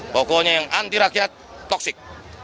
pokoknya yang anti rakyat toksik